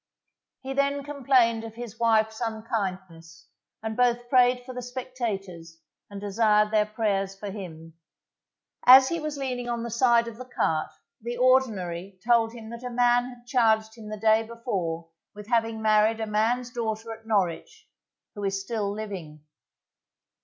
He then complained of his wife's unkindness, and both prayed for the spectators, and desired their prayers for him. As he was leaning on the side of the cart, the Ordinary told him that a man had charged him the day before with having married a man's daughter at Norwich, who is still living.